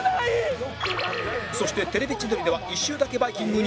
そして『テレビ千鳥』では一周だけバイキング！！